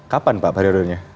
kapan pak periodenya